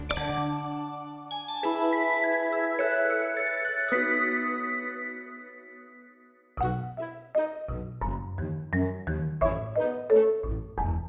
waalaikumsalam warahmatullahi wabarakatuh